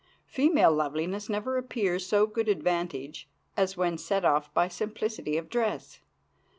Female loveliness never appears to so good advantage as when set off by simplicity of dress.